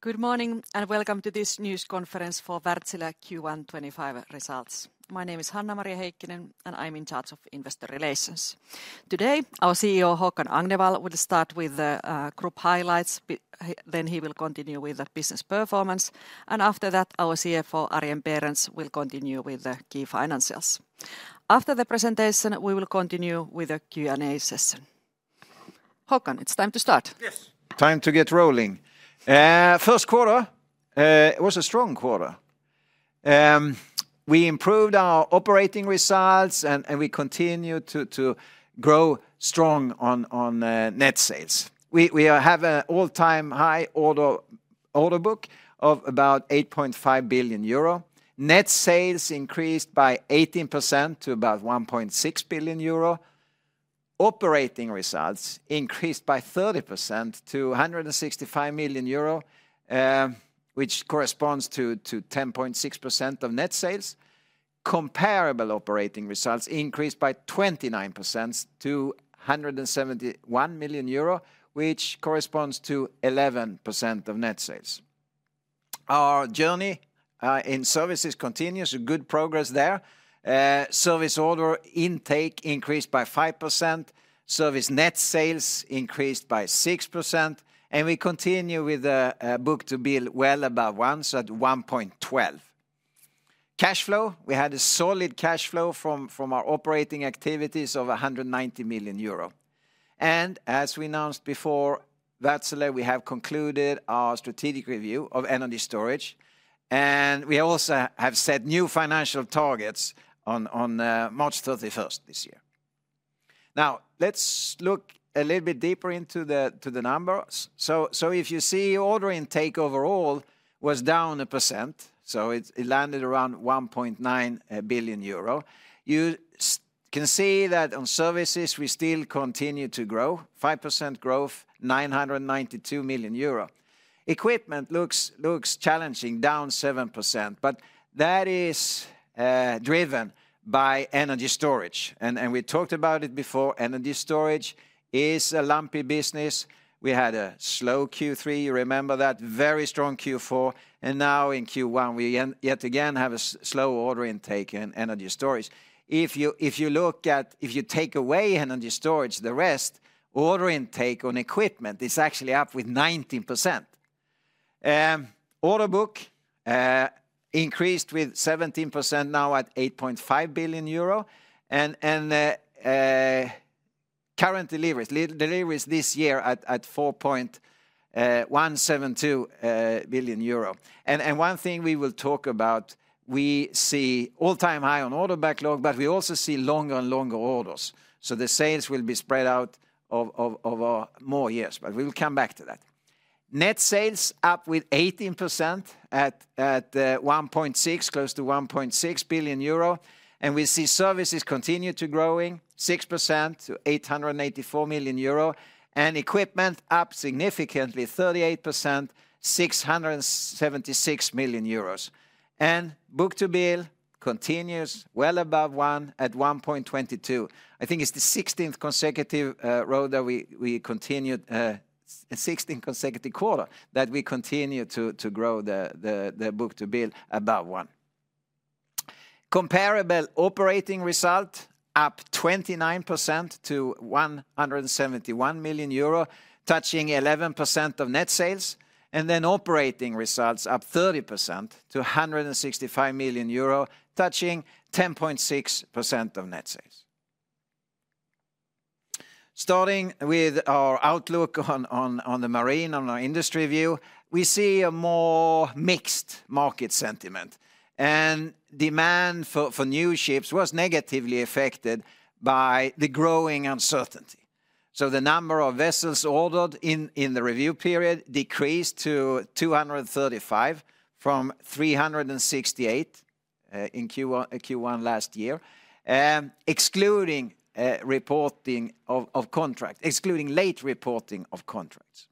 Good morning and welcome to this news conference for Wärtsilä Q1 2025 results. My name is Hanna-Maria Heikkinen and I'm in charge of investor relations. Today, our CEO Håkan Agnevall will start with the group highlights, then he will continue with the business performance, and after that, our CFO Arjen Berends will continue with the key financials. After the presentation, we will continue with the Q&A session. Håkan, it's time to start. Time to get rolling. First quarter was a strong quarter. We improved our operating results and we continue to grow strong on net sales. We have an all-time high order book of about 8.5 billion euro. Net sales increased by 18% to about 1.6 billion euro. Operating results increased by 30% to 165 million euro, which corresponds to 10.6% of net sales. Comparable operating results increased by 29% to 171 million euro, which corresponds to 11% of net sales. Our journey in services continues, good progress there. Service order intake increased by 5%, service net sales increased by 6%, and we continue with a book-to-bill well above one, so at 1.12. Cash flow, we had a solid cash flow from our operating activities of 190 million euro. As we announced before, Wärtsilä, we have concluded our strategic review of energy storage, and we also have set new financial targets on March 31st this year. Now, let's look a little bit deeper into the numbers. If you see, order intake overall was down 1%, so it landed around 1.9 billion euro. You can see that on services we still continue to grow, 5% growth, 992 million euro. Equipment looks challenging, down 7%, but that is driven by energy storage. We talked about it before, energy storage is a lumpy business. We had a slow Q3, you remember that, very strong Q4, and now in Q1 we yet again have a slow order intake in energy storage. If you look at, if you take away energy storage, the rest, order intake on equipment is actually up with 19%. Order book increased with 17% now at 8.5 billion euro, and current deliveries, deliveries this year at 4.172 billion euro. One thing we will talk about, we see all-time high on order backlog, but we also see longer and longer orders. The sales will be spread out over more years, but we will come back to that. Net sales up with 18% at 1.6, close to 1.6 billion euro, and we see services continue to growing, 6% to 884 million euro, and equipment up significantly, 38%, 676 million euros. Book-to-bill continues well above one at 1.22. I think it's the 16th consecutive quarter that we continued, 16th consecutive quarter that we continue to grow the book-to-bill above one. Comparable operating result up 29% to 171 million euro, touching 11% of net sales, and then operating result up 30% to EUR 165 million, touching 10.6% of net sales. Starting with our outlook on the marine, on our industry view, we see a more mixed market sentiment, and demand for new ships was negatively affected by the growing uncertainty. The number of vessels ordered in the review period decreased to 235 from 368 in Q1 last year, excluding late reporting of contracts.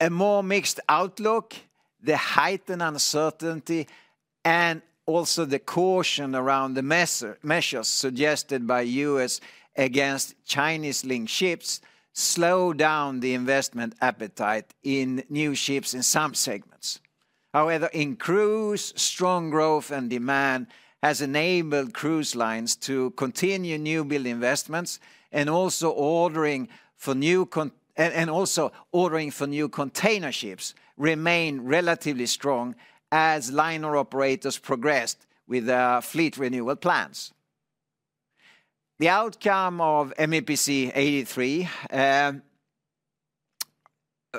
A more mixed outlook, the heightened uncertainty and also the caution around the measures suggested by the U.S. against Chinese-linked ships slowed down the investment appetite in new ships in some segments. However, in cruise, strong growth and demand has enabled cruise lines to continue new build investments, and also ordering for new container ships remained relatively strong as liner operators progressed with their fleet renewal plans. The outcome of MEPC 83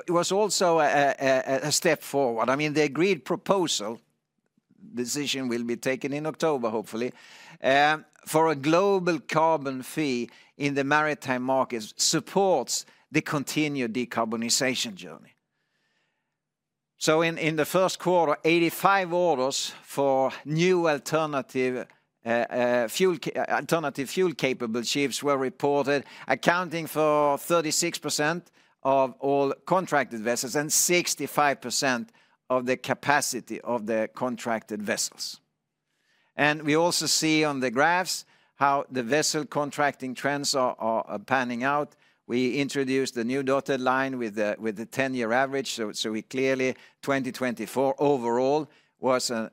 was also a step forward. I mean, the agreed proposal, decision will be taken in October, hopefully, for a global carbon fee in the maritime markets supports the continued decarbonization journey. In the first quarter, 85 orders for new alternative fuel-capable ships were reported, accounting for 36% of all contracted vessels and 65% of the capacity of the contracted vessels. We also see on the graphs how the vessel contracting trends are panning out. We introduced the new dotted line with the 10-year average, so clearly 2024 overall was a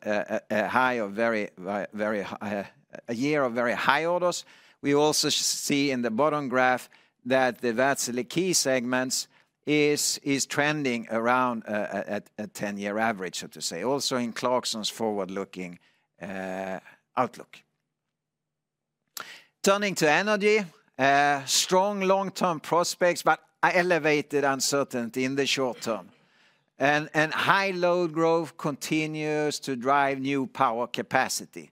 year of very high orders. We also see in the bottom graph that the Wärtsilä key segments is trending around a 10-year average, so to say, also in Clarkson's forward-looking outlook. Turning to energy, strong long-term prospects, but elevated uncertainty in the short term. High load growth continues to drive new power capacity.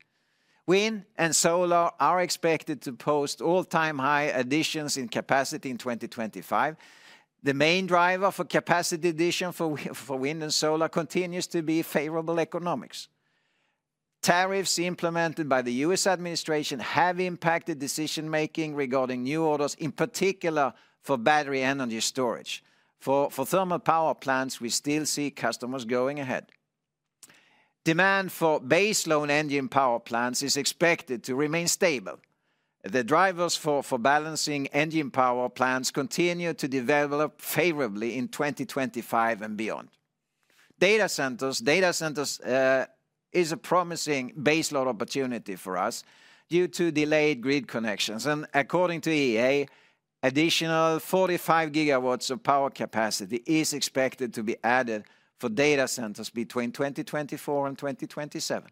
Wind and solar are expected to post all-time high additions in capacity in 2025. The main driver for capacity addition for wind and solar continues to be favorable economics. Tariffs implemented by the U.S. administration have impacted decision-making regarding new orders, in particular for battery energy storage. For thermal power plants, we still see customers going ahead. Demand for base load engine power plants is expected to remain stable. The drivers for balancing engine power plants continue to develop favorably in 2025 and beyond. Data centers, data centers is a promising base load opportunity for us due to delayed grid connections. According to IEA, additional 45 GW of power capacity is expected to be added for data centers between 2024 and 2027.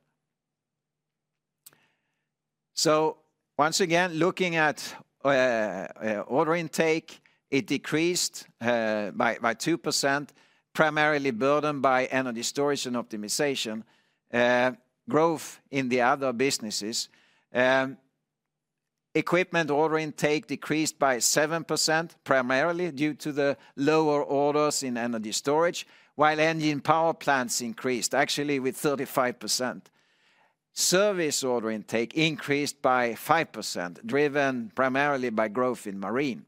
Once again, looking at order intake, it decreased by 2%, primarily burdened by energy storage and optimization growth in the other businesses. Equipment order intake decreased by 7%, primarily due to the lower orders in energy storage, while engine power plants increased actually with 35%. Service order intake increased by 5%, driven primarily by growth in marine.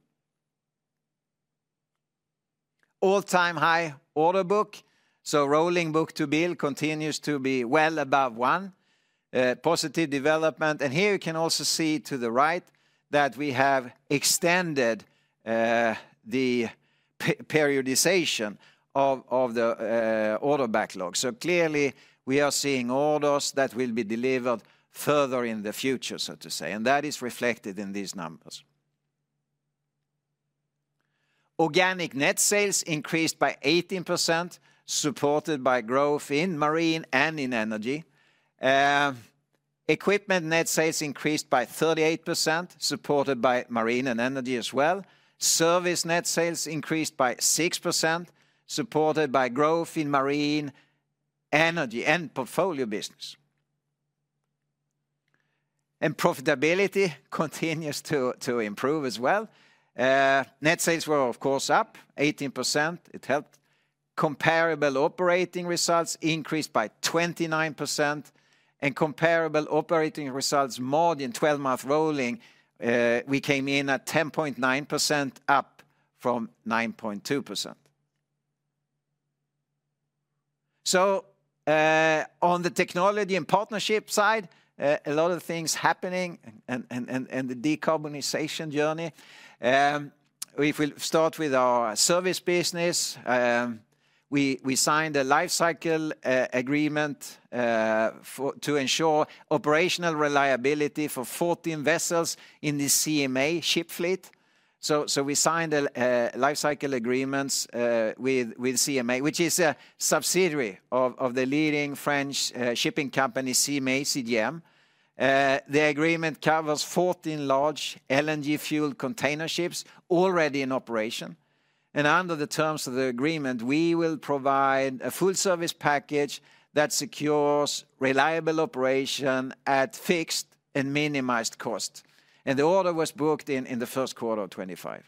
All-time high order book, so rolling book-to-bill continues to be well above one. Positive development. Here you can also see to the right that we have extended the periodization of the order backlog. Clearly we are seeing orders that will be delivered further in the future, so to say, and that is reflected in these numbers. Organic net sales increased by 18%, supported by growth in marine and in energy. Equipment net sales increased by 38%, supported by marine and energy as well. Service net sales increased by 6%, supported by growth in marine, energy, and portfolio business. Profitability continues to improve as well. Net sales were of course up 18%. It helped. Comparable operating result increased by 29%. Comparable operating result more than 12 months rolling, we came in at 10.9% up from 9.2%. On the technology and partnership side, a lot of things happening and the decarbonization journey. If we start with our service business, we signed a life cycle agreement to ensure operational reliability for 14 vessels in the CMA ship fleet. We signed life cycle agreements with CMA, which is a subsidiary of the leading French shipping company CMA CGM. The agreement covers 14 large LNG-fueled container ships already in operation. Under the terms of the agreement, we will provide a full service package that secures reliable operation at fixed and minimized cost. The order was booked in the first quarter of 2025.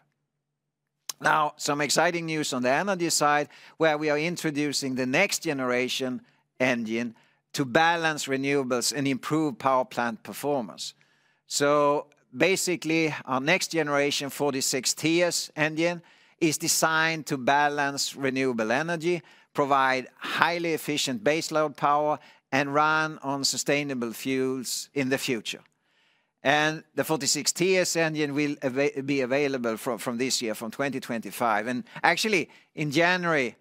Some exciting news on the energy side, where we are introducing the next generation engine to balance renewables and improve power plant performance. Basically, our next generation 46TS engine is designed to balance renewable energy, provide highly efficient base load power, and run on sustainable fuels in the future. The 46TS engine will be available from this year, from 2025. Actually, in January,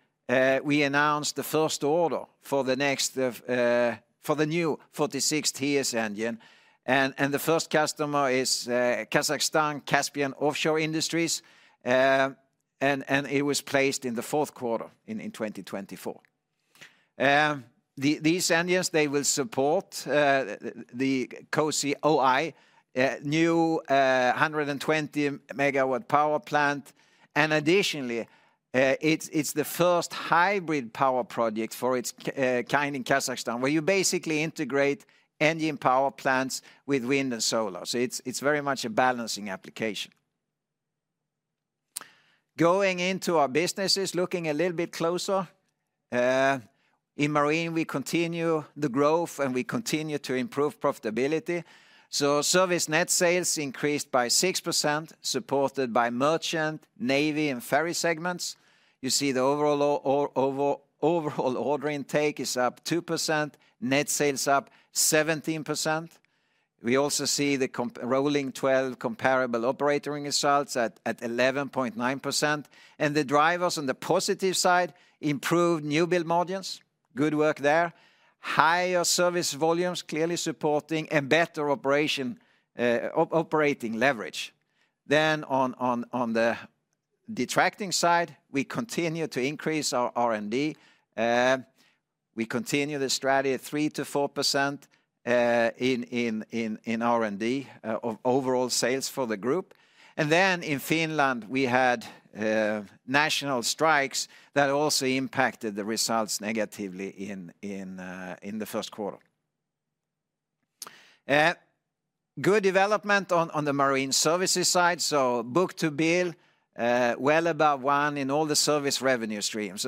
we announced the first order for the new 46TS engine. The first customer is Kazakhstan Caspian Offshore Industries, and it was placed in the fourth quarter in 2024. These engines will support the KCOI's new 120 MW power plant. Additionally, it is the first hybrid power project of its kind in Kazakhstan, where you basically integrate engine power plants with wind and solar. It is very much a balancing application. Going into our businesses, looking a little bit closer. In marine, we continue the growth and we continue to improve profitability. Service net sales increased by 6%, supported by merchant, navy, and ferry segments. You see the overall order intake is up 2%, net sales up 17%. We also see the rolling 12 comparable operating results at 11.9%. The drivers on the positive side are improved new build margins, good work there. Higher service volumes clearly supporting a better operating leverage. On the detracting side, we continue to increase our R&D. We continue the strategy at 3%-4% in R&D of overall sales for the group. In Finland, we had national strikes that also impacted the results negatively in the first quarter. Good development on the marine services side. Book-to-bill, well above one in all the service revenue streams.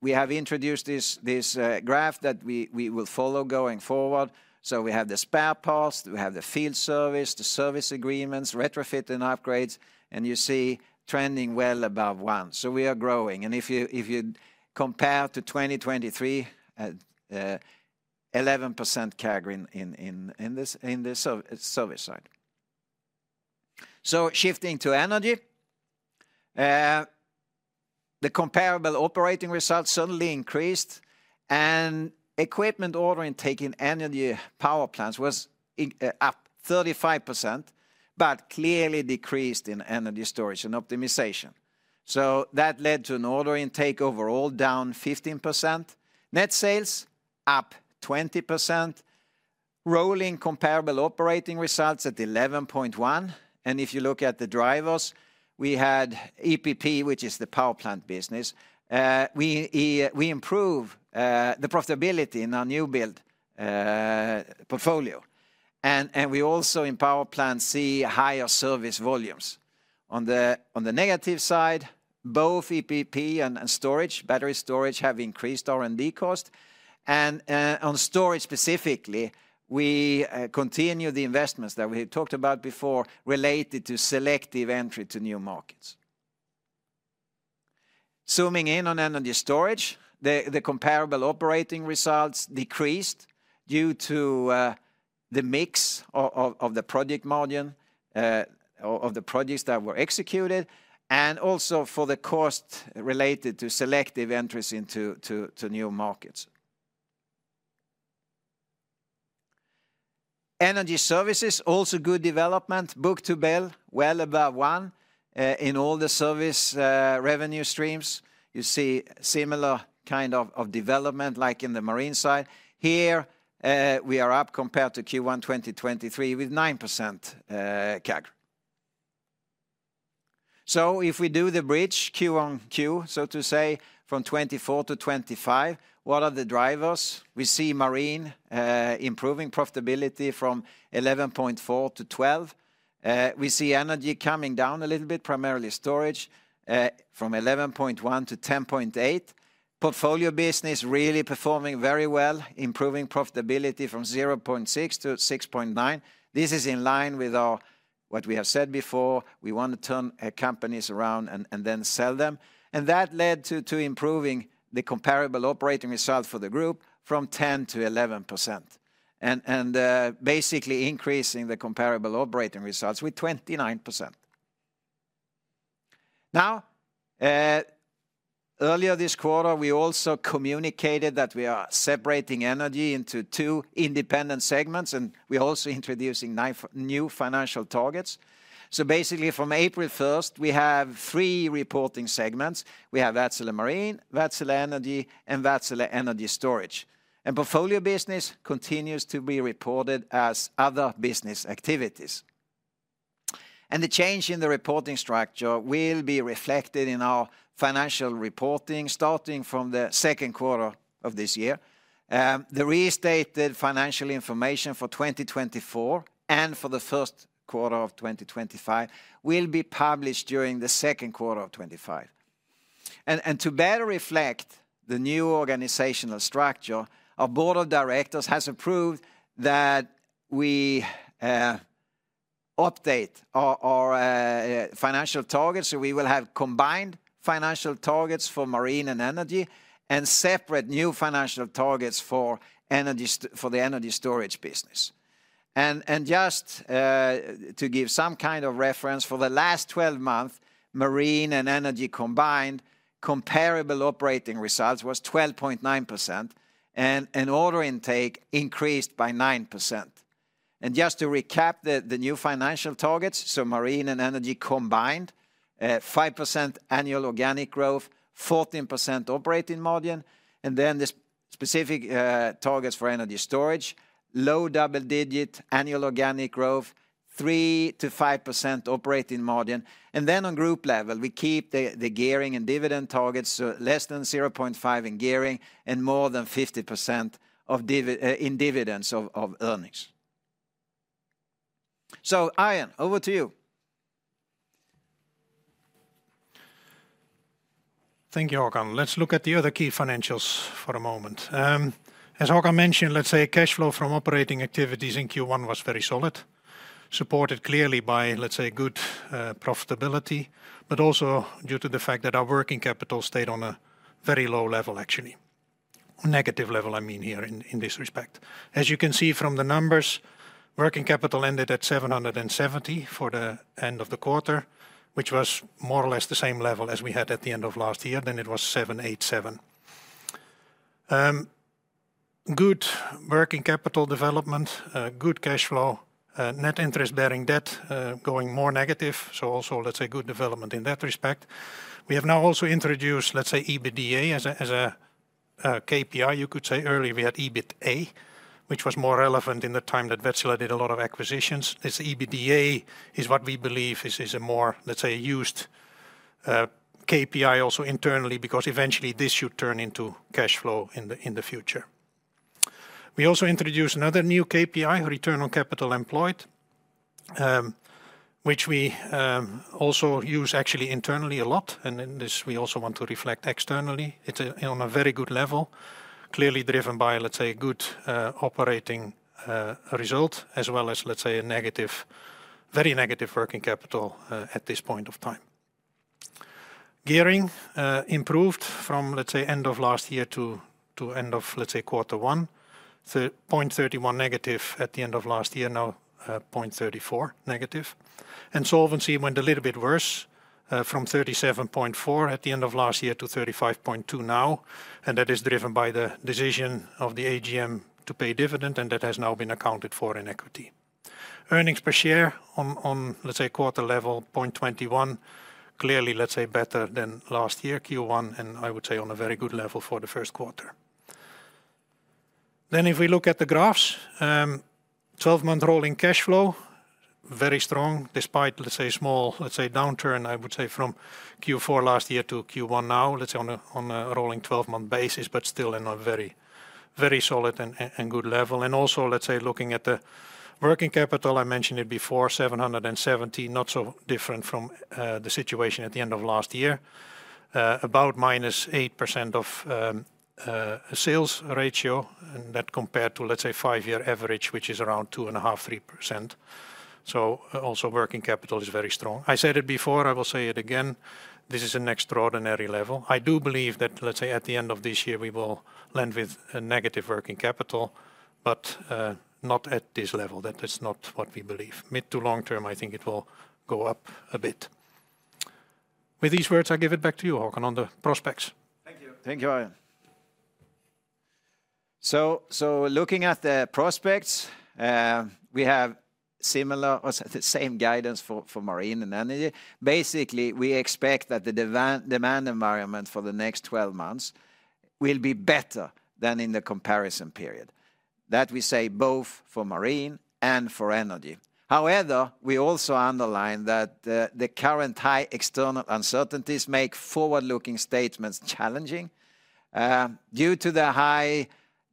We have introduced this graph that we will follow going forward. We have the spare parts, we have the field service, the service agreements, retrofit and upgrades, and you see trending well above one. We are growing. If you compare to 2023, 11% carry in the service side. Shifting to energy. The comparable operating results suddenly increased. Equipment order intake in energy power plants was up 35%, but clearly decreased in energy storage and optimization. That led to an order intake overall down 15%. Net sales up 20%. Rolling comparable operating results at 11.1. If you look at the drivers, we had EPP, which is the power plant business. We improve the profitability in our new build portfolio. We also in power plants see higher service volumes. On the negative side, both EPP and storage, battery storage have increased R&D cost. On storage specifically, we continue the investments that we have talked about before related to selective entry to new markets. Zooming in on energy storage, the comparable operating result decreased due to the mix of the project margin of the projects that were executed and also for the cost related to selective entries into new markets. Energy services, also good development. Book-to-bill, well above one in all the service revenue streams. You see similar kind of development like in the marine side. Here we are up compared to Q1 2023 with 9% carry. If we do the breach Q1, so to say, from 2024 to 2025, what are the drivers? We see marine improving profitability from 11.4 to 12. We see energy coming down a little bit, primarily storage, from 11.1 million to 10.8 million. Portfolio business really performing very well, improving profitability from 0.6 million to 6.9 million. This is in line with what we have said before. We want to turn companies around and then sell them. That led to improving the comparable operating result for the group from 10% to 11%, and basically increasing the comparable operating result by 29%. Earlier this quarter, we also communicated that we are separating energy into two independent segments and we are also introducing new financial targets. Basically from April 1st, we have three reporting segments. We have Wärtsilä Marine, Wärtsilä Energy, and Wärtsilä Energy Storage. Portfolio business continues to be reported as other business activities. The change in the reporting structure will be reflected in our financial reporting starting from the second quarter of this year. The restated financial information for 2024 and for the first quarter of 2025 will be published during the second quarter of 2025. To better reflect the new organizational structure, our Board of Directors has approved that we update our financial targets. We will have combined financial targets for marine and energy and separate new financial targets for the energy storage business. Just to give some kind of reference, for the last 12 months, marine and energy combined comparable operating result was 12.9% and order intake increased by 9%. Just to recap the new financial targets, marine and energy combined, 5% annual organic growth, 14% operating margin. The specific targets for energy storage are low double-digit annual organic growth 3%-5% operating margin. At group level, we keep the gearing and dividend targets, so less than 0.5 in gearing and more than 50% in dividends of earnings. Arjen, over to you. Thank you, Håkan. Let's look at the other key financials for a moment. As Håkan mentioned, cash flow from operating activities in Q1 was very solid, supported clearly by, let's say, good profitability, but also due to the fact that our working capital stayed on a very low level, actually. Negative level, I mean here in this respect. As you can see from the numbers, working capital ended at 770 million for the end of the quarter, which was more or less the same level as we had at the end of last year. Then it was 787 million. Good working capital development, good cash flow, net interest bearing debt going more negative. Also, let's say good development in that respect. We have now also introduced, let's say, EBITDA as a KPI. You could say earlier we had EBITA, which was more relevant in the time that Wärtsilä did a lot of acquisitions. This EBITDA is what we believe is a more, let's say, used KPI also internally because eventually this should turn into cash flow in the future. We also introduced another new KPI, return on capital employed, which we also use actually internally a lot. In this, we also want to reflect externally. It's on a very good level, clearly driven by, let's say, a good operating result as well as, let's say, a negative, very negative working capital at this point of time. Gearing improved from, let's say, end of last year to end of, let's say, quarter one. 0.31 negative at the end of last year, now 0.34 negative. Solvency went a little bit worse from 37.4 at the end of last year to 35.2 now. That is driven by the decision of the AGM to pay dividend and that has now been accounted for in equity. Earnings per share on, let's say, quarter level, 0.21, clearly, let's say, better than last year, Q1, and I would say on a very good level for the first quarter. If we look at the graphs, 12-month rolling cash flow, very strong despite, let's say, small, let's say, downturn, I would say from Q4 last year to Q1 now, let's say on a rolling 12-month basis, but still in a very, very solid and good level. Also, let's say, looking at the working capital, I mentioned it before, 770 million, not so different from the situation at the end of last year, about -8% of sales ratio and that compared to, let's say, five-year average, which is around 2.5%-3%. Also, working capital is very strong. I said it before, I will say it again. This is an extraordinary level. I do believe that, let's say, at the end of this year, we will land with a negative working capital, but not at this level. That's not what we believe. Mid to long term, I think it will go up a bit. With these words, I give it back to you, Håkan, on the prospects. Thank you. Thank you, Arjen. Looking at the prospects, we have similar or the same guidance for marine and energy. Basically, we expect that the demand environment for the next 12 months will be better than in the comparison period. That we say both for marine and for energy. However, we also underline that the current high external uncertainties make forward-looking statements challenging. Due to the high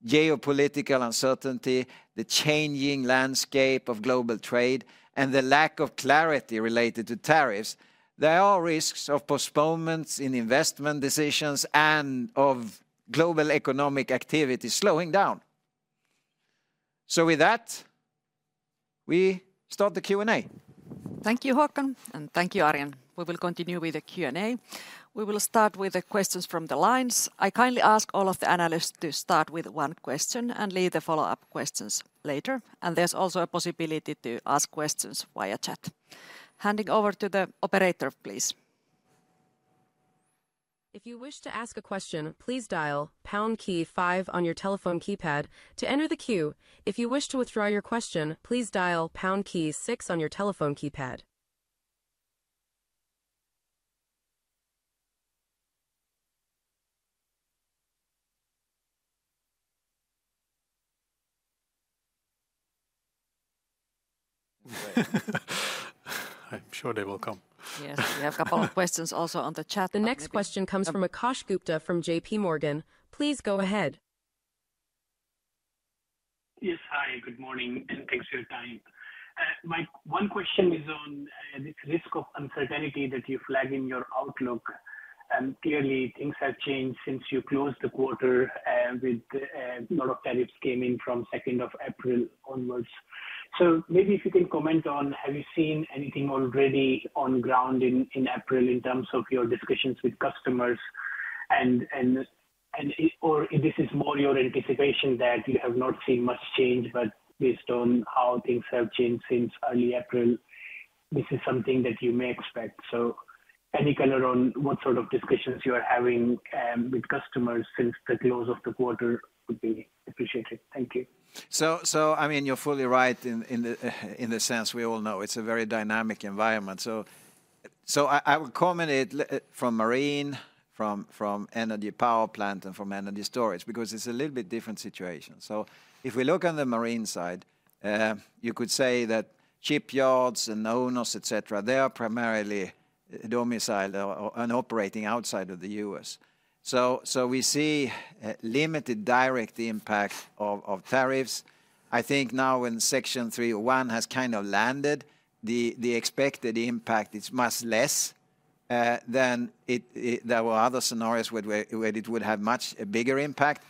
geopolitical uncertainty, the changing landscape of global trade, and the lack of clarity related to tariffs, there are risks of postponements in investment decisions and of global economic activity slowing down. With that, we start the Q&A. Thank you, Håkan, and thank you, Arjen. We will continue with the Q&A. We will start with the questions from the lines. I kindly ask all of the analysts to start with one question and leave the follow-up questions later. There is also a possibility to ask questions via chat. Handing over to the operator, please. If you wish to ask a question, please dial pound key five on your telephone keypad to enter the queue. If you wish to withdraw your question, please dial pound key six on your telephone keypad. I'm sure they will come. Yes, we have a couple of questions also on the chat. The next question comes from Akash Gupta from JPMorgan. Please go ahead. Yes, hi, good morning and thanks for your time. My one question is on the risk of uncertainty that you flag in your outlook. Clearly, things have changed since you closed the quarter with a lot of tariffs coming in from the 2nd of April onwards. Maybe if you can comment on, have you seen anything already on ground in April in terms of your discussions with customers? This is more your anticipation that you have not seen much change, but based on how things have changed since early April, this is something that you may expect. Any color on what sort of discussions you are having with customers since the close of the quarter would be appreciated. Thank you. I mean, you're fully right in the sense we all know it's a very dynamic environment. I would comment from marine, from energy power plant, and from energy storage because it's a little bit different situation. If we look on the marine side, you could say that shipyards and owners, etc., are primarily domiciled and operating outside of the U.S. We see limited direct impact of tariffs. I think now when Section 301 has kind of landed, the expected impact is much less than there were other scenarios where it would have much bigger impact.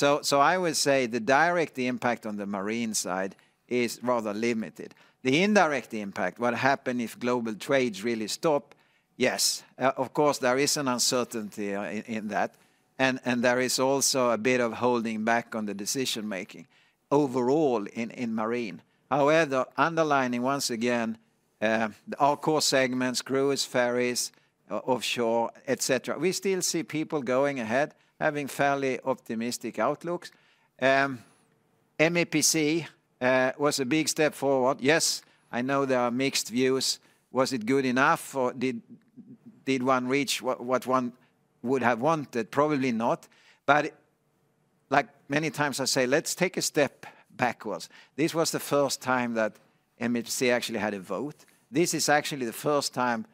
I would say the direct impact on the marine side is rather limited. The indirect impact, what happened if global trades really stop? Yes. Of course, there is an uncertainty in that. There is also a bit of holding back on the decision-making overall in marine. However, underlining once again, our core segments, cruise, ferries, offshore, etc., we still see people going ahead, having fairly optimistic outlooks. MEPC was a big step forward. Yes, I know there are mixed views. Was it good enough? Did one reach what one would have wanted? Probably not. Like many times I say, let's take a step backwards. This was the first time that MEPC actually had a vote. This is actually the first time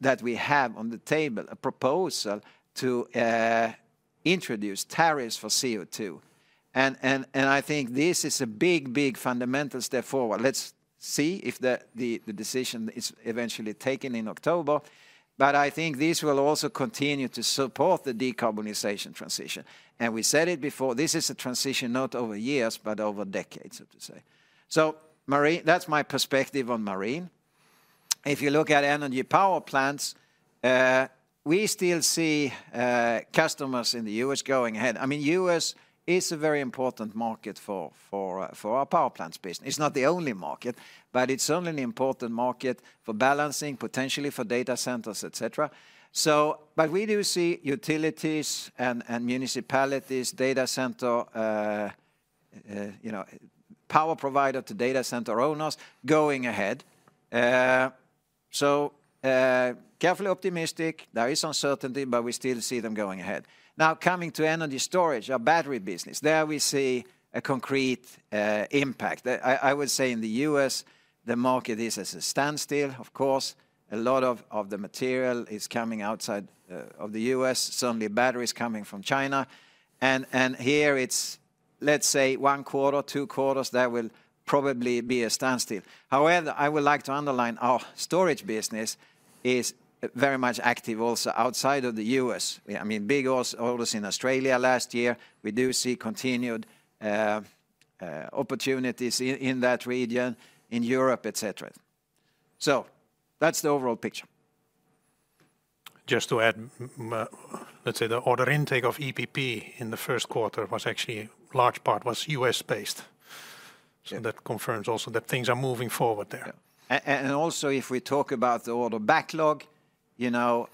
that we have on the table a proposal to introduce tariffs for CO2. I think this is a big, big fundamental step forward. Let's see if the decision is eventually taken in October. I think this will also continue to support the decarbonization transition. We said it before, this is a transition not over years, but over decades, so to say. Marine, that's my perspective on marine. If you look at energy power plants, we still see customers in the U.S. going ahead. I mean, U.S. is a very important market for our power plants business. It's not the only market, but it's certainly an important market for balancing, potentially for data centers, etc. We do see utilities and municipalities, data center, power provider to data center owners going ahead. Carefully optimistic, there is uncertainty, but we still see them going ahead. Now coming to energy storage, our battery business, there we see a concrete impact. I would say in the U.S., the market is at a standstill. Of course, a lot of the material is coming outside of the U.S. Certainly, batteries coming from China. Here, it's, let's say, one quarter, two quarters, there will probably be a standstill. However, I would like to underline our storage business is very much active also outside of the U.S. I mean, big orders in Australia last year. We do see continued opportunities in that region, in Europe, etc. That's the overall picture. Just to add, let's say the order intake of EPP in the first quarter was actually a large part was U.S.-based. That confirms also that things are moving forward there. Also, if we talk about the order backlog, you know,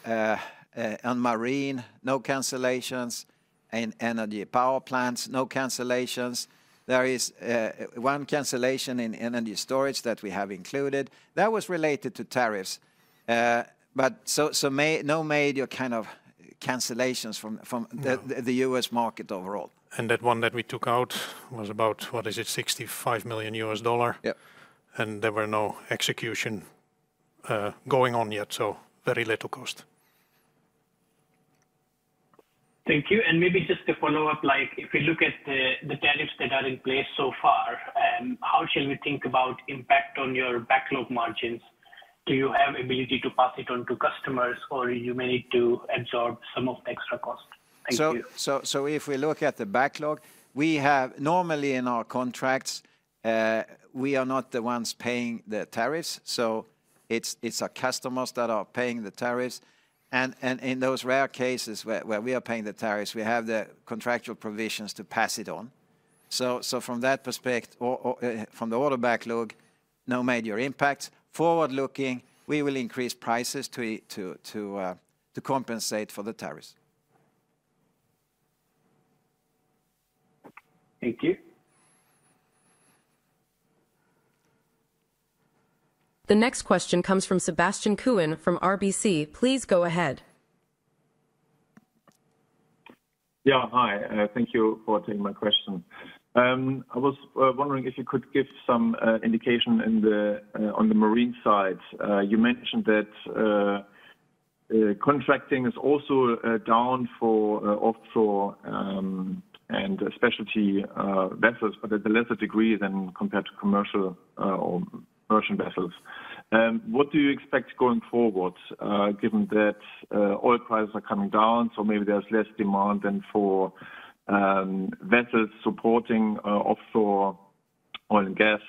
on marine, no cancellations, and energy power plants, no cancellations. There is one cancellation in energy storage that we have included. That was related to tariffs. No major kind of cancellations from the U.S. market overall. That one that we took out was about, what is it, $65 million. There were no execution going on yet, so very little cost. Thank you. Maybe just to follow up, like if we look at the tariffs that are in place so far, how shall we think about impact on your backlog margins? Do you have ability to pass it on to customers or you may need to absorb some of the extra cost? Thank you. If we look at the backlog, we have normally in our contracts, we are not the ones paying the tariffs. It is our customers that are paying the tariffs. In those rare cases where we are paying the tariffs, we have the contractual provisions to pass it on. From that perspective, from the order backlog, no major impacts. Forward-looking, we will increase prices to compensate for the tariffs. Thank you. The next question comes from Sebastian Kuenne from RBC. Please go ahead. Yeah, hi. Thank you for taking my question. I was wondering if you could give some indication on the marine side. You mentioned that contracting is also down for offshore and specialty vessels, but at a lesser degree than compared to commercial or merchant vessels. What do you expect going forward given that oil prices are coming down? Maybe there's less demand than for vessels supporting offshore oil and gas.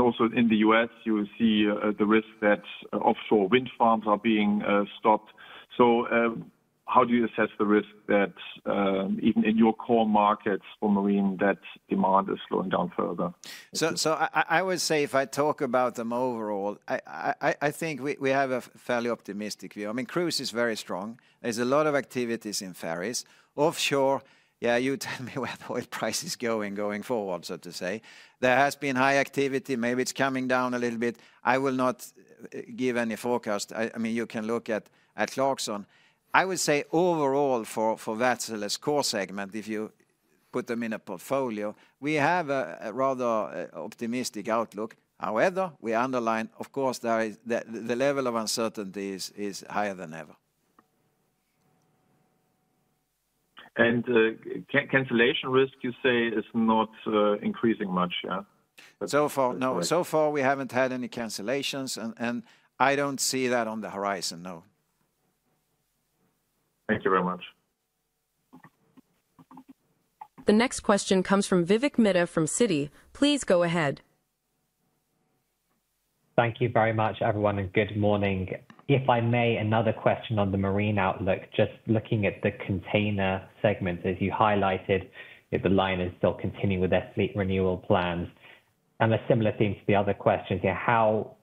Also, in the U.S., you will see the risk that offshore wind farms are being stopped. How do you assess the risk that even in your core markets for marine, that demand is slowing down further? I would say if I talk about them overall, I think we have a fairly optimistic view. I mean, cruise is very strong. There's a lot of activities in ferries. Offshore, yeah, you tell me where the oil price is going going forward, so to say. There has been high activity. Maybe it's coming down a little bit. I will not give any forecast. I mean, you can look at Clarkson. I would say overall for vessels, core segment, if you put them in a portfolio, we have a rather optimistic outlook. However, we underline, of course, the level of uncertainty is higher than ever. Cancellation risk, you say, is not increasing much, yeah? So far, no. So far, we haven't had any cancellations. I don't see that on the horizon, no. The next question comes from Vivek Midha from Citi. Please go ahead. Thank you very much, everyone, and good morning. If I may, another question on the marine outlook, just looking at the container segment, as you highlighted, the line is still continuing with their fleet renewal plans. A similar theme to the other questions, how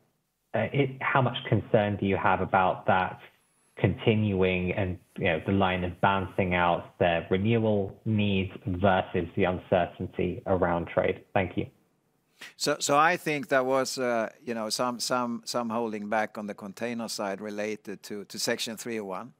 much concern do you have about that continuing and the line of bouncing out their renewal needs versus the uncertainty around trade? Thank you. I think there was some holding back on the container side related to section 301.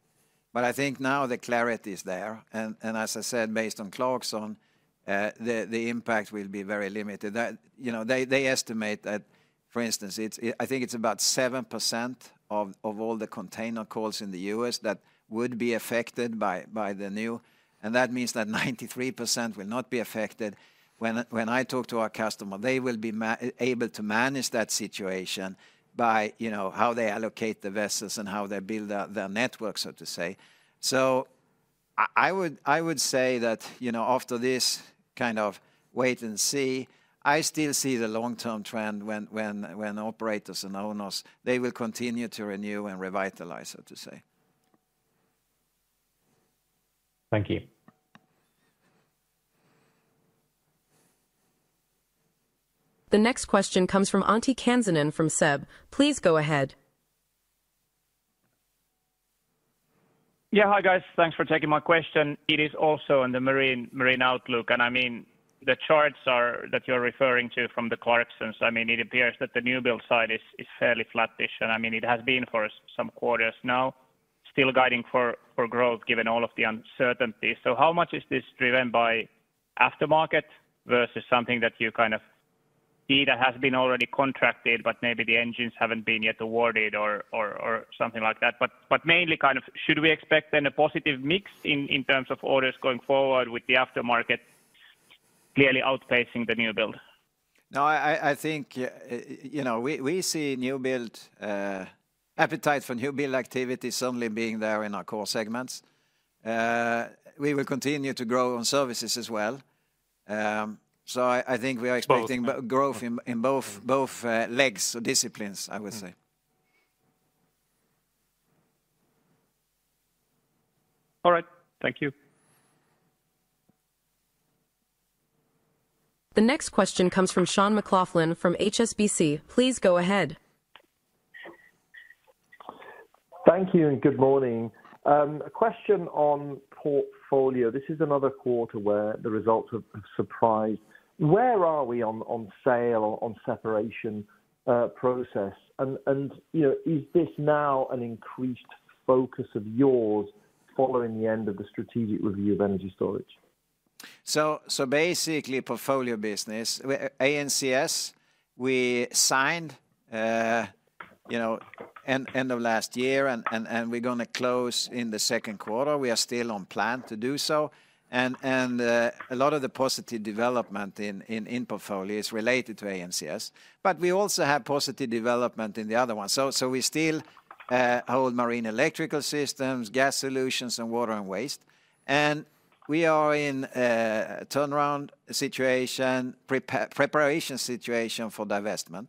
I think now the clarity is there. As I said, based on Clarkson, the impact will be very limited. They estimate that, for instance, I think it's about 7% of all the container calls in the U.S. that would be affected by the new. That means that 93% will not be affected. When I talk to our customer, they will be able to manage that situation by how they allocate the vessels and how they build their network, so to say. I would say that after this kind of wait and see, I still see the long-term trend when operators and owners, they will continue to renew and revitalize, so to say. Thank you. The next question comes from Antti Kansanen from SEB. Please go ahead. Yeah, hi guys. Thanks for taking my question. It is also on the marine outlook. I mean, the charts that you're referring to from the Clarksons, I mean, it appears that the new build side is fairly flattish. I mean, it has been for some quarters now, still guiding for growth given all of the uncertainty. How much is this driven by aftermarket versus something that you kind of see that has been already contracted, but maybe the engines haven't been yet awarded or something like that? Mainly, should we expect then a positive mix in terms of orders going forward with the aftermarket clearly outpacing the new build? No, I think we see new build appetite for new build activity certainly being there in our core segments. We will continue to grow on services as well. I think we are expecting growth in both legs or disciplines, I would say. All right. Thank you. The next question comes from Sean McLoughlin from HSBC. Please go ahead. Thank you and good morning. A question on portfolio. This is another quarter where the results have surprised. Where are we on sale, on separation process? Is this now an increased focus of yours following the end of the strategic review of energy storage? Basically, portfolio business, ANCS, we signed end of last year and we are going to close in the second quarter. We are still on plan to do so. A lot of the positive development in portfolio is related to ANCS. We also have positive development in the other one. We still hold marine electrical systems, gas solutions, and water and waste. We are in a turnaround situation, preparation situation for divestment.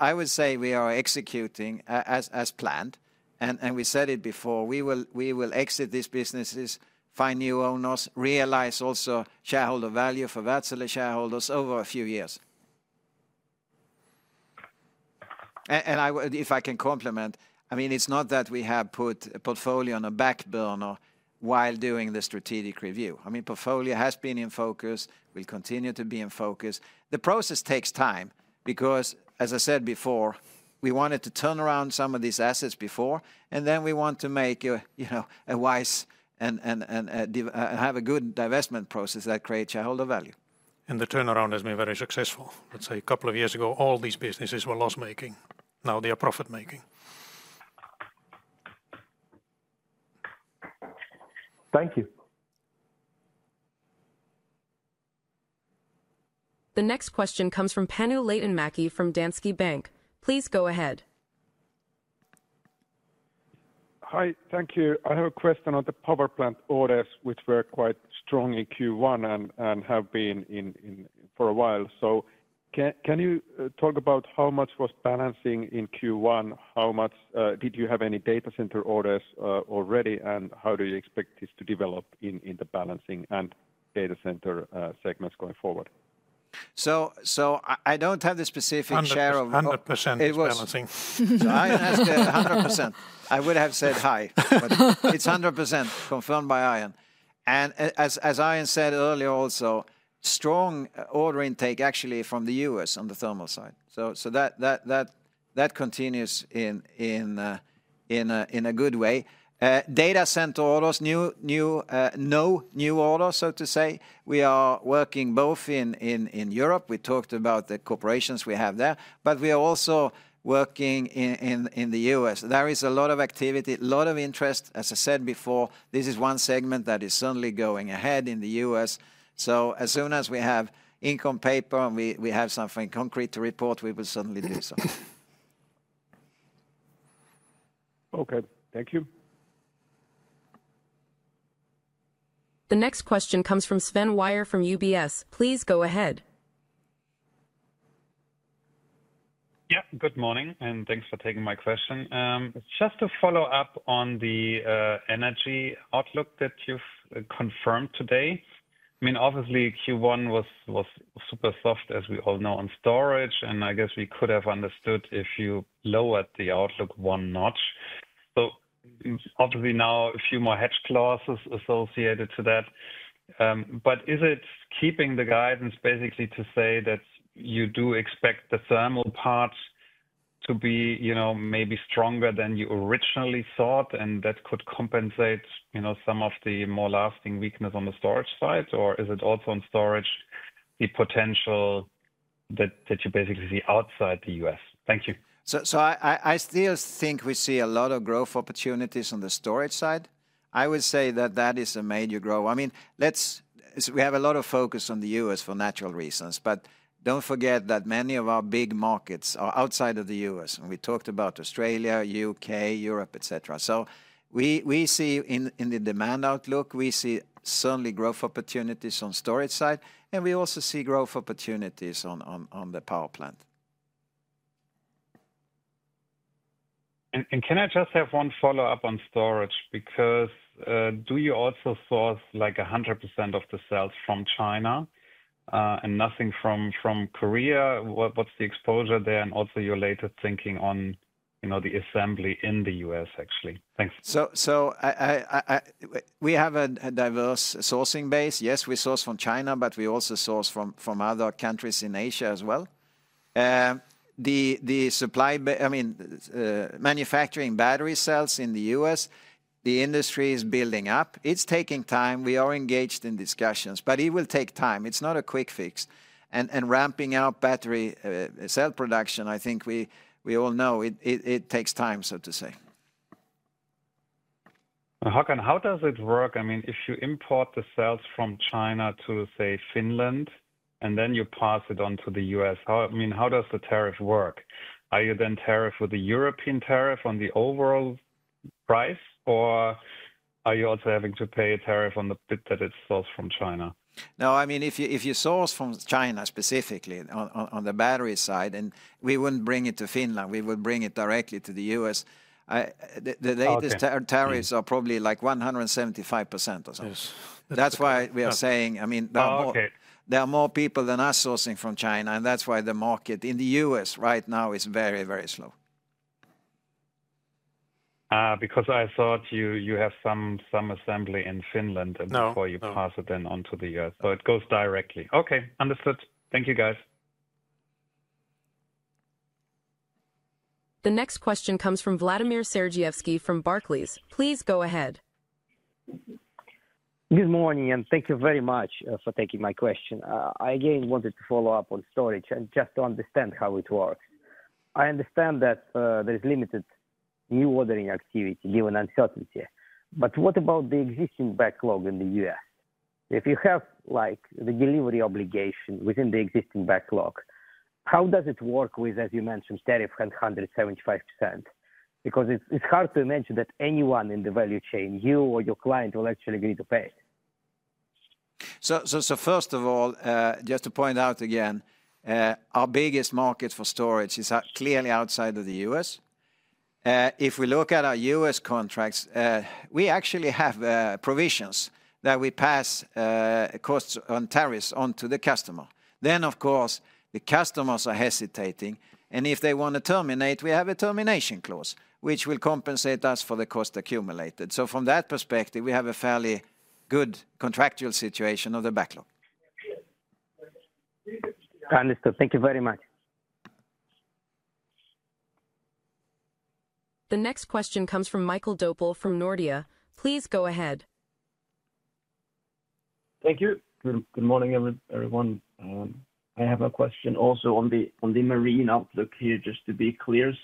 I would say we are executing as planned. We said it before, we will exit these businesses, find new owners, realize also shareholder value for Wärtsilä shareholders over a few years. If I can complement, I mean, it's not that we have put portfolio on a back burner while doing the strategic review. I mean, portfolio has been in focus, will continue to be in focus. The process takes time because, as I said before, we wanted to turn around some of these assets before, and then we want to make a wise and have a good divestment process that creates shareholder value. The turnaround has been very successful. Let's say a couple of years ago, all these businesses were loss-making. Now they are profit-making. Thank you. The next question comes from Panu Laitinmäki from Danske Bank.Please go ahead. Hi, thank you. I have a question on the power plant orders, which were quite strong in Q1 and have been for a while. Can you talk about how much was balancing in Q1? How much did you have any data center orders already? How do you expect this to develop in the balancing and data center segments going forward? I do not have the specific share of. I am 100% balancing. I asked 100%. I would have said high, but it is 100% confirmed by Arjen. As Arjen said earlier also, strong order intake actually from the U.S. on the thermal side. That continues in a good way. Data center orders, no new orders, so to say. We are working both in Europe. We talked about the corporations we have there, but we are also working in the U.S. There is a lot of activity, a lot of interest. As I said before, this is one segment that is certainly going ahead in the U.S. As soon as we have income paper and we have something concrete to report, we will certainly do so. Okay, thank you. The next question comes from Sven Weier from UBS. Please go ahead. Yeah, good morning and thanks for taking my question. Just to follow up on the energy outlook that you've confirmed today. I mean, obviously Q1 was super soft, as we all know, on storage. I guess we could have understood if you lowered the outlook one notch. Obviously now a few more hedge clauses associated to that. Is it keeping the guidance basically to say that you do expect the thermal part to be maybe stronger than you originally thought and that could compensate some of the more lasting weakness on the storage side? Is it also on storage the potential that you basically see outside the U.S.? Thank you. I still think we see a lot of growth opportunities on the storage side. I would say that that is a major growth. I mean, we have a lot of focus on the US for natural reasons, but do not forget that many of our big markets are outside of the U.S. We talked about Australia, U.K., Europe, etc. We see in the demand outlook, we see certainly growth opportunities on the storage side. We also see growth opportunities on the power plant. Can I just have one follow-up on storage? Because do you also source like 100% of the cells from China and nothing from Korea? What is the exposure there? Also, your latest thinking on the assembly in the U.S., actually? Thanks. We have a diverse sourcing base. Yes, we source from China, but we also source from other countries in Asia as well. The supply, I mean, manufacturing battery cells in the U.S., the industry is building up. It's taking time. We are engaged in discussions, but it will take time. It's not a quick fix. Ramping out battery cell production, I think we all know it takes time, so to say. How does it work? I mean, if you import the cells from China to, say, Finland and then you pass it on to the U.S., I mean, how does the tariff work? Are you then tariffed with the European tariff on the overall price? Or are you also having to pay a tariff on the bit that it sells from China? No, I mean, if you source from China specifically on the battery side, and we would not bring it to Finland. We would bring it directly to the U.S. The latest tariffs are probably like 175% or so. That is why we are saying, I mean, there are more people than us sourcing from China. That is why the market in the U.S. right now is very, very slow. Because I thought you have some assembly in Finland before you pass it then on to the U.S. So it goes directly. Okay, understood. Thank you, guys. The next question comes from Vladimir Sergievskiy from Barclays. Please go ahead. Good morning and thank you very much for taking my question. I again wanted to follow up on storage and just to understand how it works. I understand that there is limited new ordering activity given uncertainty. What about the existing backlog in the U.S.? If you have the delivery obligation within the existing backlog, how does it work with, as you mentioned, tariff and 175%? Because it's hard to imagine that anyone in the value chain, you or your client, will actually agree to pay. First of all, just to point out again, our biggest market for storage is clearly outside of the U.S. If we look at our U.S. contracts, we actually have provisions that we pass costs on tariffs onto the customer. Of course, the customers are hesitating. If they want to terminate, we have a termination clause, which will compensate us for the cost accumulated. From that perspective, we have a fairly good contractual situation of the backlog. Understood. Thank you very much. The next question comes from Mikael Doepel from Nordea. Please go ahead. Thank you. Good morning, everyone. I have a question also on the marine outlook here, just to be clear.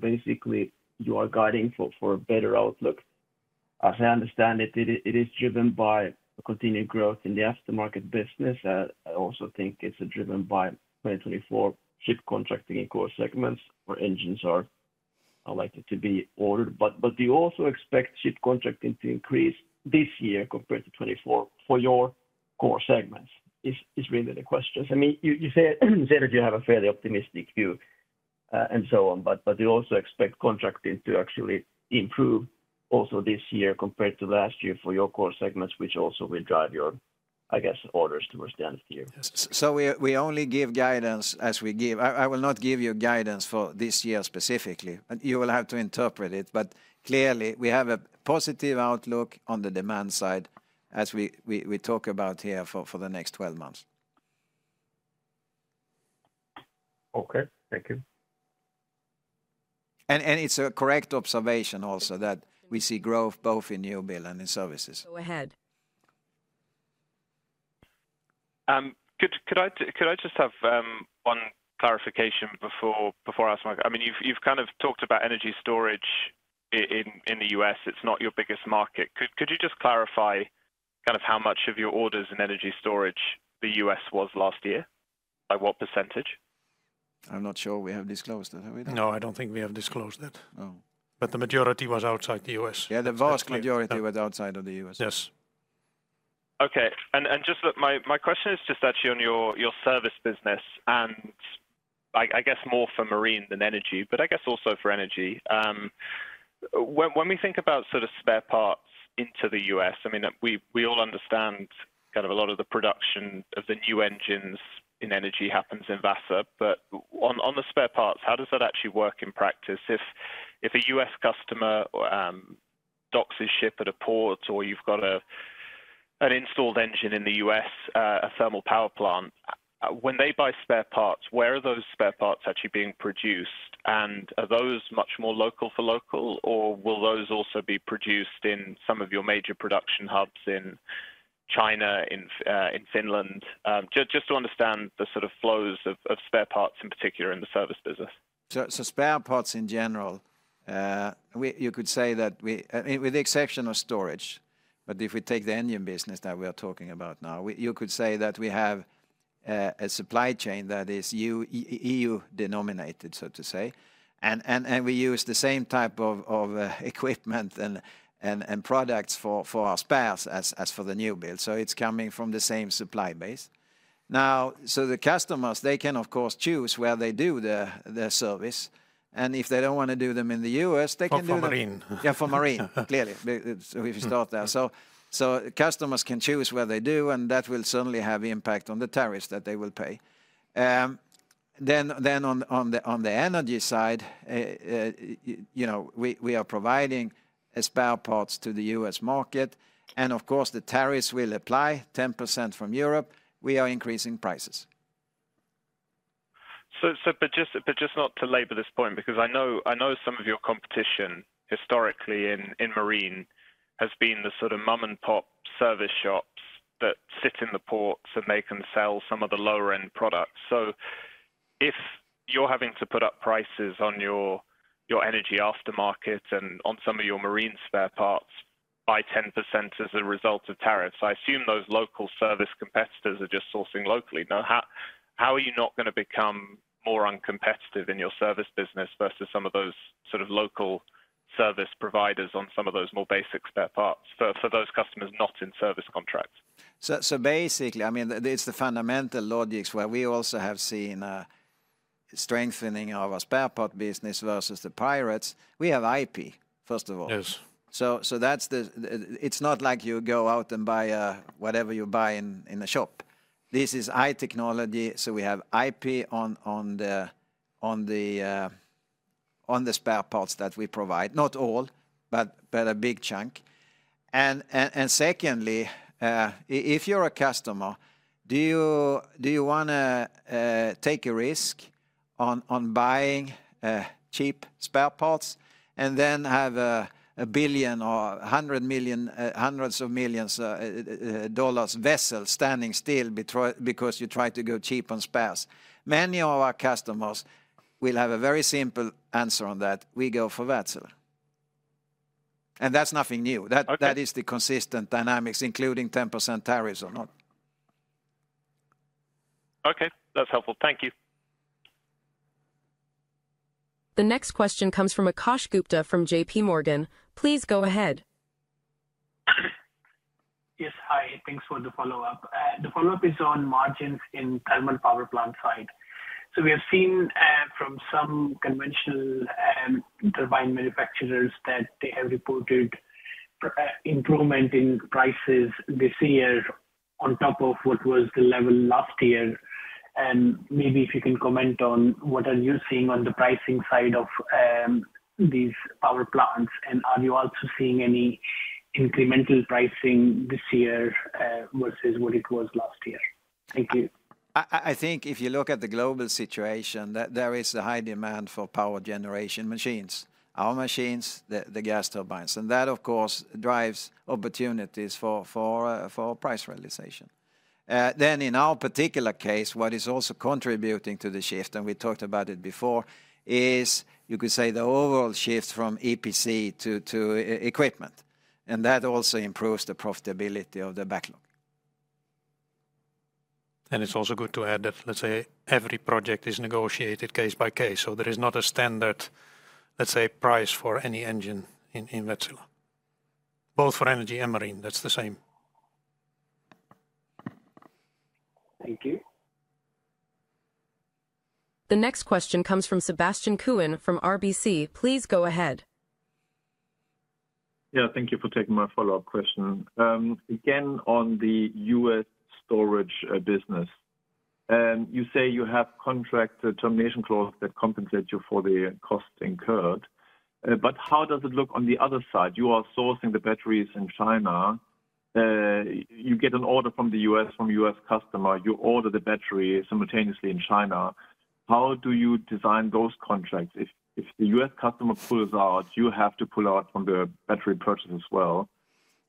Basically, you are guiding for a better outlook. As I understand it, it is driven by continued growth in the aftermarket business. I also think it is driven by 2024 ship contracting in core segments where engines are likely to be ordered. Do you also expect ship contracting to increase this year compared to 2024 for your core segments? Is really the question. I mean, you said that you have a fairly optimistic view and so on, but you also expect contracting to actually improve also this year compared to last year for your core segments, which also will drive your, I guess, orders towards the end of the year. We only give guidance as we give. I will not give you guidance for this year specifically. You will have to interpret it. Clearly, we have a positive outlook on the demand side as we talk about here for the next 12 months. Okay, thank you. It is a correct observation also that we see growth both in new build and in services. Go ahead. Could I just have one clarification before I ask my question? I mean, you've kind of talked about energy storage in the U.S. It's not your biggest market. Could you just clarify kind of how much of your orders in energy storage the US was last year? Like what percentage? I'm not sure we have disclosed that. No, I don't think we have disclosed that. The majority was outside the U.S. Yeah, the vast majority was outside of the U.S. Yes. Okay. My question is just actually on your service business and I guess more for marine than energy, but I guess also for energy. When we think about sort of spare parts into the U.S., I mean, we all understand kind of a lot of the production of the new engines in energy happens in Vaasa. On the spare parts, how does that actually work in practice? If a U.S. customer docks his ship at a port or you've got an installed engine in the U.S., a thermal power plant, when they buy spare parts, where are those spare parts actually being produced? Are those much more local for local? Or will those also be produced in some of your major production hubs in China, in Finland? Just to understand the sort of flows of spare parts in particular in the service business. Spare parts in general, you could say that with the exception of storage, but if we take the engine business that we are talking about now, you could say that we have a supply chain that is denominated, so to say. We use the same type of equipment and products for our spares as for the new build. It is coming from the same supply base. Now, the customers, they can of course choose where they do their service. If they do not want to do them in the U.S., they can do them. For marine. Yeah, for marine, clearly. If you start there. Customers can choose where they do, and that will certainly have impact on the tariffs that they will pay. On the energy side, we are providing spare parts to the U.S. market. Of course, the tariffs will apply 10% from Europe. We are increasing prices. Just not to label this point, because I know some of your competition historically in marine has been the sort of mom-and-pop service shops that sit in the ports and they can sell some of the lower-end products. If you're having to put up prices on your energy aftermarket and on some of your marine spare parts by 10% as a result of tariffs, I assume those local service competitors are just sourcing locally. How are you not going to become more uncompetitive in your service business versus some of those sort of local service providers on some of those more basic spare parts for those customers not in service contracts? Basically, I mean, it's the fundamental logics where we also have seen strengthening of our spare part business versus the pirates. We have IP, first of all. It is not like you go out and buy whatever you buy in a shop. This is high technology. We have IP on the spare parts that we provide. Not all, but a big chunk. Secondly, if you are a customer, do you want to take a risk on buying cheap spare parts and then have a billion or hundreds of million dollars vessel standing still because you try to go cheap on spares? Many of our customers will have a very simple answer on that. We go for Wärtsilä. That is nothing new. That is the consistent dynamics, including 10% tariffs or not. Okay, that is helpful. Thank you. The next question comes from Akash Gupta from JP Morgan. Please go ahead. Yes, hi. Thanks for the follow-up. The follow-up is on margins in thermal power plant side. We have seen from some conventional turbine manufacturers that they have reported improvement in prices this year on top of what was the level last year. Maybe if you can comment on what are you seeing on the pricing side of these power plants? Are you also seeing any incremental pricing this year versus what it was last year? Thank you. I think if you look at the global situation, there is a high demand for power generation machines, our machines, the gas turbines. That, of course, drives opportunities for price realization. In our particular case, what is also contributing to the shift, and we talked about it before, is you could say the overall shift from EPC to equipment. That also improves the profitability of the backlog. It is also good to add that, let's say, every project is negotiated case by case. There is not a standard, let's say, price for any engine in Wärtsilä. Both for energy and marine, that's the same. The next question comes from Sebastian Kuenne from RBC. Please go ahead. Thank you for taking my follow-up question. Again, on the U.S. storage business, you say you have contracted termination clause that compensates you for the cost incurred. How does it look on the other side? You are sourcing the batteries in China. You get an order from the U.S., from a U.S. customer. You order the battery simultaneously in China. How do you design those contracts? If the U.S. customer pulls out, you have to pull out from the battery purchase as well.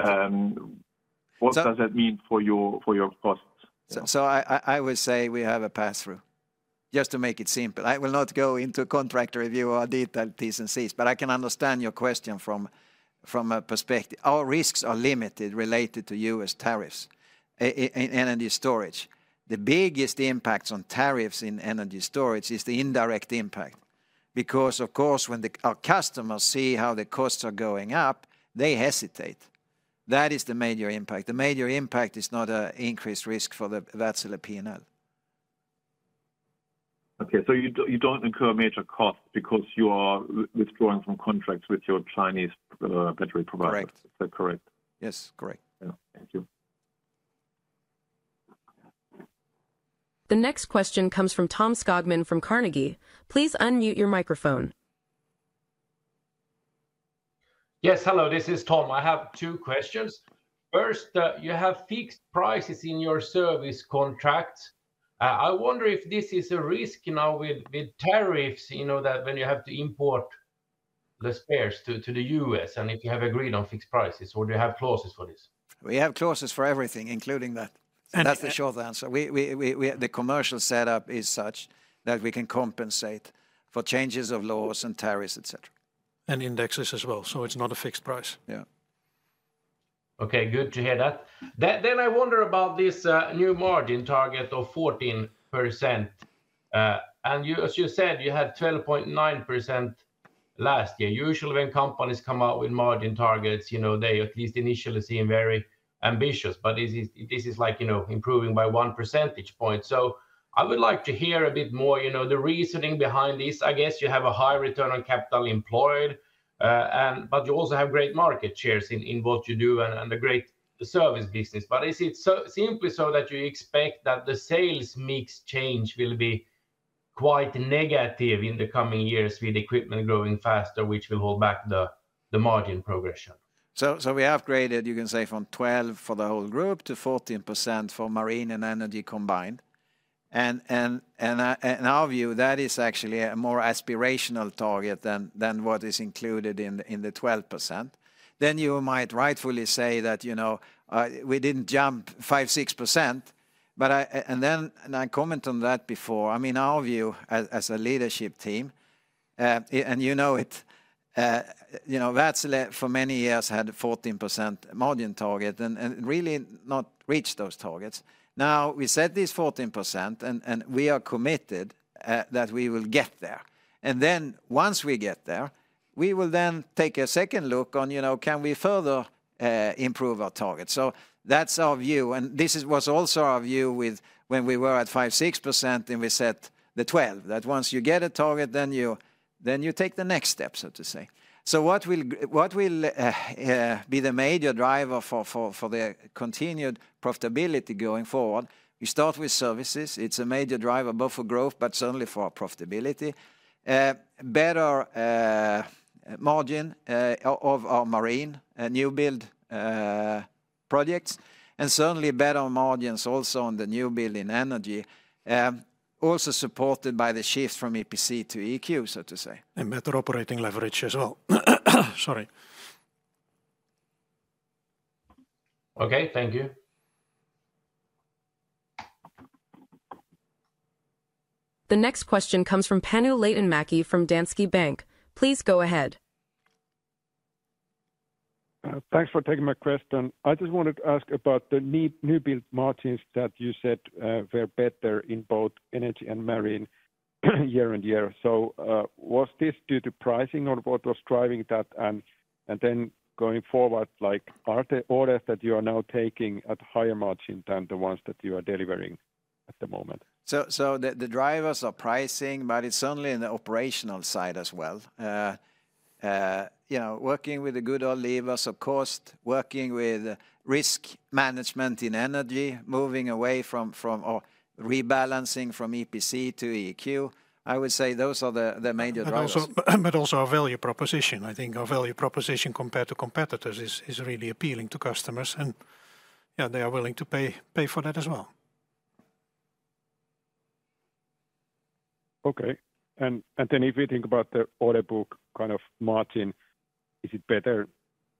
What does that mean for your costs? I would say we have a pass-through, just to make it simple. I will not go into contractor review or detailed distances, but I can understand your question from a perspective. Our risks are limited related to U.S. tariffs in energy storage. The biggest impact on tariffs in energy storage is the indirect impact. Because, of course, when our customers see how the costs are going up, they hesitate. That is the major impact. The major impact is not an increased risk for the Wärtsilä P&L. Okay, so you do not incur major costs because you are withdrawing from contracts with your Chinese battery providers. Is that correct? Yes, correct. Thank you. The next question comes from Tom Skogman from Carnegie. Please unmute your microphone. Yes, hello, this is Tom. I have two questions. First, you have fixed prices in your service contracts. I wonder if this is a risk now with tariffs, you know, that when you have to import the spares to the US and if you have agreed on fixed prices, or do you have clauses for this? We have clauses for everything, including that. That is the short answer. The commercial setup is such that we can compensate for changes of laws and tariffs, etc. Indexes as well. So it is not a fixed price. Yeah. Okay, good to hear that. I wonder about this new margin target of 14%. And as you said, you had 12.9% last year. Usually when companies come out with margin targets, you know, they at least initially seem very ambitious. This is like, you know, improving by one percentage point. I would like to hear a bit more, you know, the reasoning behind this. I guess you have a high return on capital employed, but you also have great market shares in what you do and a great service business. Is it simply so that you expect that the sales mix change will be quite negative in the coming years with equipment growing faster, which will hold back the margin progression? We have graded, you can say, from 12% for the whole group to 14% for marine and energy combined. In our view, that is actually a more aspirational target than what is included in the 12%. You might rightfully say that, you know, we did not jump 5%, 6%. I comment on that before. I mean, our view as a leadership team, and you know it, you know, Wärtsilä for many years had a 14% margin target and really not reached those targets. Now we set these 14% and we are committed that we will get there. Once we get there, we will then take a second look on, you know, can we further improve our targets? That is our view. This was also our view when we were at 5%, 6%, and we set the 12%, that once you get a target, you take the next step, so to say. What will be the major driver for the continued profitability going forward? We start with services. It is a major driver both for growth, but certainly for our profitability. Better margin of our marine new build projects. Certainly better margins also on the new build in energy, also supported by the shift from EPC to EQ, so to say. Better operating leverage as well. Sorry. Okay, thank you. The next question comes from Panu Laitinmäki from Danske Bank. Please go ahead. Thanks for taking my question. I just wanted to ask about the new build margins that you said were better in both energy and marine year on year. Was this due to pricing or what was driving that? Going forward, are the orders that you are now taking at higher margin than the ones that you are delivering at the moment? The drivers are pricing, but it is certainly in the operational side as well. You know, working with the good old levers of cost, working with risk management in energy, moving away from or rebalancing from EPC to EQ. I would say those are the major drivers. Also our value proposition. I think our value proposition compared to competitors is really appealing to customers. Yeah, they are willing to pay for that as well. Okay. If we think about the order book kind of margin, is it better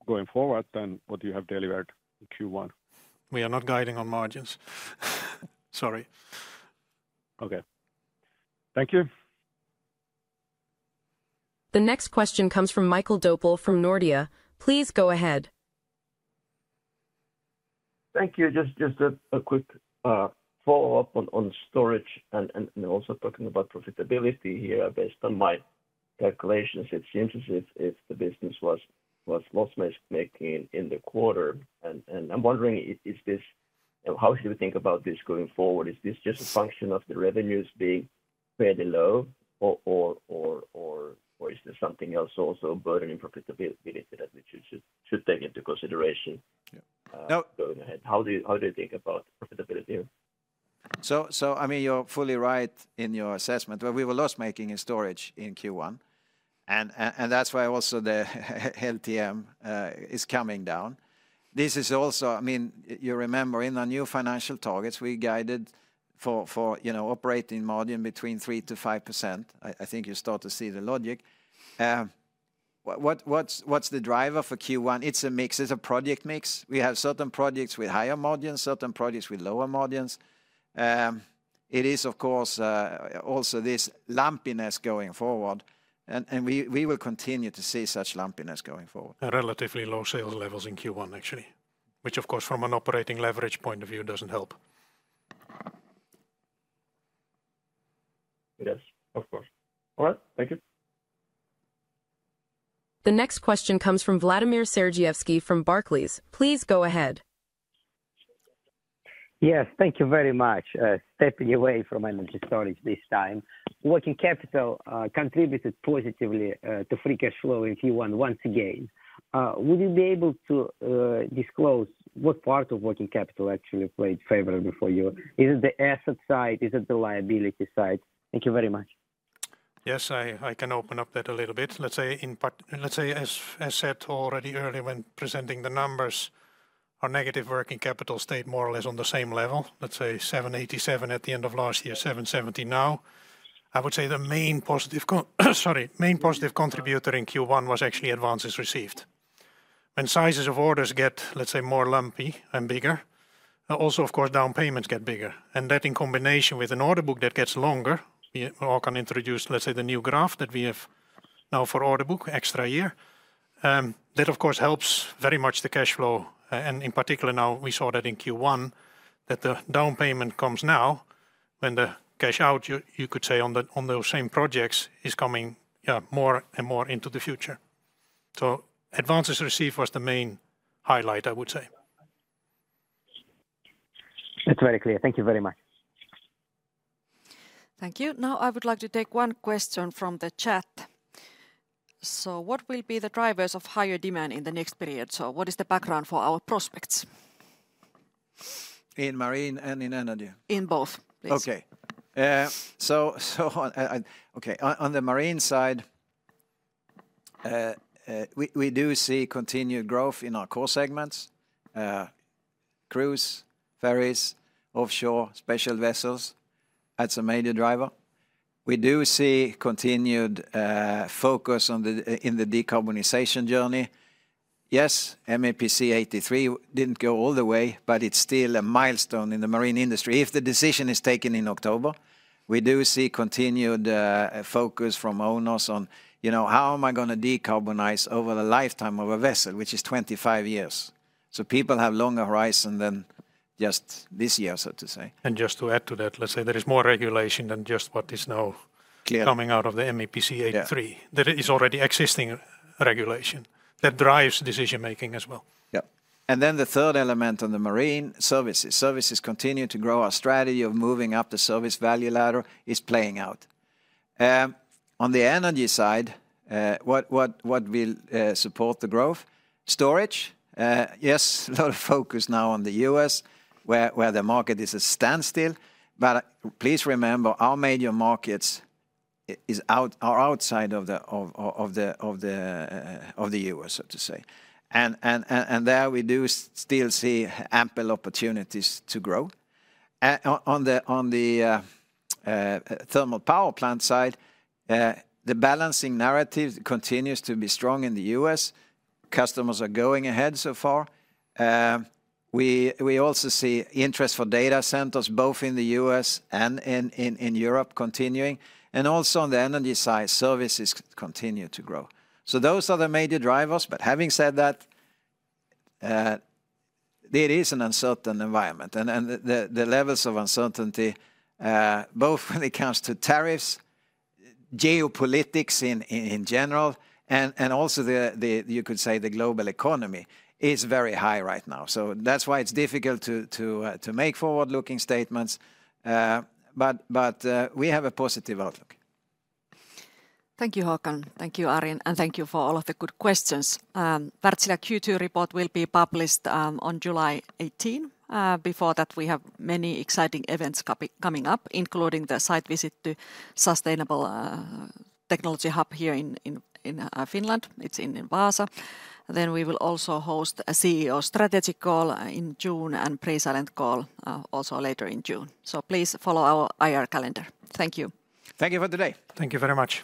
going forward than what you have delivered in Q1? We are not guiding on margins. Sorry. Okay. Thank you. The next question comes from Michael Doepel from Nordea. Please go ahead. Thank you. Just a quick follow-up on storage and also talking about profitability here based on my calculations. It seems as if the business was loss-making in the quarter. I'm wondering, how should we think about this going forward? Is this just a function of the revenues being fairly low? Or is there something else also burdening profitability that we should take into consideration going ahead? How do you think about profitability? I mean, you're fully right in your assessment. We were loss-making in storage in Q1. That is why also the LTM is coming down. This is also, I mean, you remember in the new financial targets, we guided for, you know, operating margin between 3%-5%. I think you start to see the logic. What is the driver for Q1? It is a mix. It is a project mix. We have certain projects with higher margins, certain projects with lower margins. It is, of course, also this lumpiness going forward. We will continue to see such lumpiness going forward. Relatively low sales levels in Q1, actually. Which, of course, from an operating leverage point of view, does not help. Yes, of course. All right. Thank you. The next question comes from Vladimir Sergievskiy from Barclays. Please go ahead. Yes, thank you very much. Stepping away from energy storage this time. Working capital contributed positively to free cash flow in Q1 once again. Would you be able to disclose what part of working capital actually played favorably for you? Is it the asset side? Is it the liability side? Thank you very much. Yes, I can open up that a little bit. Let's say, as I said already earlier when presenting the numbers, our negative working capital stayed more or less on the same level. Let's say 787 million at the end of last year, 770 million now. I would say the main positive contributor in Q1 was actually advances received. When sizes of orders get, let's say, more lumpy and bigger, also, of course, down payments get bigger. That in combination with an order book that gets longer, we all can introduce, let's say, the new graph that we have now for order book, extra year. That, of course, helps very much the cash flow. In particular, now we saw that in Q1, the down payment comes now when the cash out, you could say, on those same projects, is coming more and more into the future. Advances received was the main highlight, I would say. That is very clear. Thank you very much. Thank you. Now I would like to take one question from the chat. What will be the drivers of higher demand in the next period? What is the background for our prospects? In marine and in energy? In both, please. Okay. On the marine side, we do see continued growth in our core segments: cruise, ferries, offshore, special vessels. That is a major driver. We do see continued focus in the decarbonization journey. Yes, MEPC 83 did not go all the way, but it is still a milestone in the marine industry. If the decision is taken in October, we do see continued focus from owners on, you know, how am I going to decarbonize over the lifetime of a vessel, which is 25 years. People have a longer horizon than just this year, so to say. Just to add to that, let's say there is more regulation than just what is now coming out of the MEPC 83. There is already existing regulation that drives decision-making as well. Yeah. The third element on the marine services. Services continue to grow. Our strategy of moving up the service value ladder is playing out. On the energy side, what will support the growth? Storage. Yes, a lot of focus now on the U.S., where the market is a standstill. Please remember, our major markets are outside of the U.S., so to say. There we do still see ample opportunities to grow. On the thermal power plant side, the balancing narrative continues to be strong in the U.S. Customers are going ahead so far. We also see interest for data centers, both in the U.S. and in Europe, continuing. Also on the energy side, services continue to grow. Those are the major drivers. Having said that, it is an uncertain environment. The levels of uncertainty, both when it comes to tariffs, geopolitics in general, and also you could say the global economy, are very high right now. That is why it is difficult to make forward-looking statements. We have a positive outlook. Thank you, Håkan. Thank you, Arjen. Thank you for all of the good questions. Wärtsilä Q2 report will be published on July 18. Before that, we have many exciting events coming up, including the site visit to Sustainable Technology Hub here in Finland. It is in Vaasa. We will also host a CEO strategy call in June and pre-silent call also later in June. Please follow our IR calendar. Thank you. Thank you for today. Thank you very much.